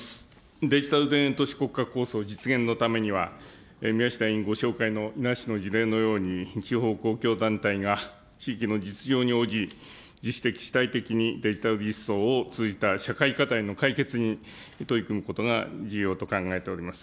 デジタル田園都市国家構想実現のためには、宮下委員ご紹介の伊那市の事例のように、地方公共団体が地域の実情に応じ、自主的、主体的にデジタル技術を通じた社会かたへの解決に取り組むことが重要と考えております。